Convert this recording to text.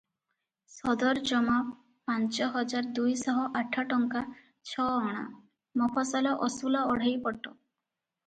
ସଦରଜମା ପାଞ୍ଚ ହଜାର ଦୁଇଶହ ଆଠ ଟଙ୍କା ଛ ଅଣା; ମଫସଲ ଅସୁଲ ଅଢ଼େଇ ପଟ ।